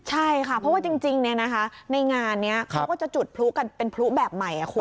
ใช่ค่ะเพราะว่าจริงในงานนี้เขาก็จะจุดพลุกันเป็นพลุแบบใหม่คุณ